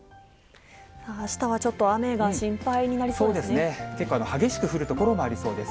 あしたはちょっと雨が心配に結構激しく降る所もありそうです。